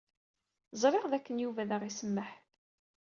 Ẓriɣ dakken Yuba ad aɣ-isemmeḥ.